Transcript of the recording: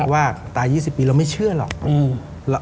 ว่าตาย๒๐ปีเราไม่เชื่อหรอก